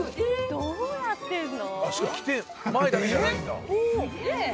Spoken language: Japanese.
どうやってるの。